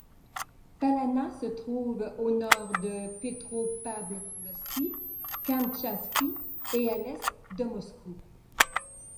Palana se trouve à au nord de Petropavlovsk-Kamtchatski et à à l'est de Moscou.